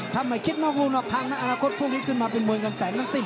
ถ้ามาคิดต้องเนินว่าออกทางน้าฆาตศูนย์นี่เป็นนี้มาเป็นมวยกันแสงทั้งสิ้น